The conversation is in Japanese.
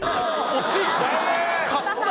惜しいの？